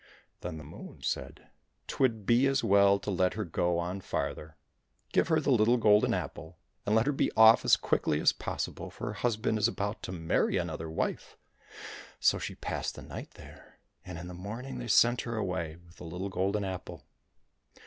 Then the Moon said, " 'Twould be as well to let her go on farther. Give her the little golden apple, and let her be off as quickly as possible, for her husband is about to marry zoo THE SERPENT TSAREVICH another wife." So she passed the night there, and in the morning they sent her away with the little golden apple.